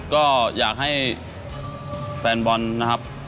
ก็อยากให้แฟนบอลนะครับ